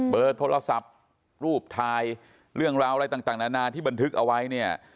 เบอร์โทรศัพท์รูปถ่ายเรื่องราวอะไรต่างนานาที่บันทึกเอาไว้เนี่ย